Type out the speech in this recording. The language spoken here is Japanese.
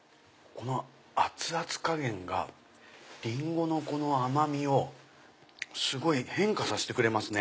熱々加減がリンゴの甘みをすごい変化させてくれますね。